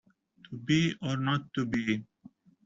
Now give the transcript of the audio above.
To be or not to be